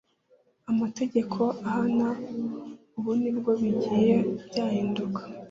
amategeko ahana, ubu nibwo bigiye byahinduka.